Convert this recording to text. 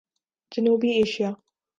جنوبی ایشیا